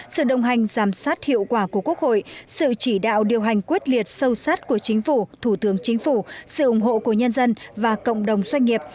sự đồng hành giám sát hiệu quả của quốc hội sự chỉ đạo điều hành quyết liệt sâu sát của chính phủ thủ tướng chính phủ sự ủng hộ của nhân dân và cộng đồng doanh nghiệp